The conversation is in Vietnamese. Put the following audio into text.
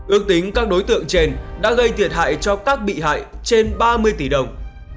ước tính các đối tượng trên đã gây thiệt hại cho các bị hại trên ba mươi tỷ đồng